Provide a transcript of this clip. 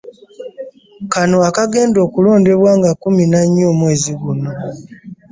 Kano akagenda okulondebwa nga kkumi na nnya omwezi guno.